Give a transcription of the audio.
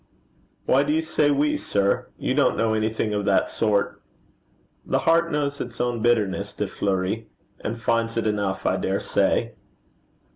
'Why do you say we, sir? You don't know anything of that sort.' 'The heart knows its own bitterness, De Fleuri and finds it enough, I dare say.'